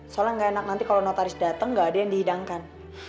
soalnya nggak enak nanti kalau notaris datang nggak ada yang dihidangkan